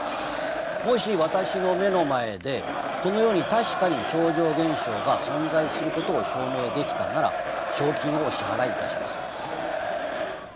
「もし私の目の前でこの世に確かに超常現象が存在する事を証明できたなら賞金をお支払いいたします」